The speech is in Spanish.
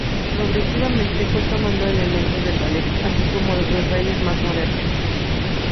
Progresivamente fue tomando elementos del ballet, así como de otros bailes más modernos.